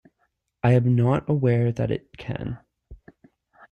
I am not aware that it can.